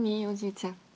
おじいちゃん。